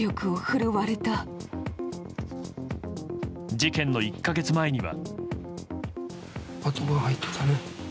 事件の１か月前には。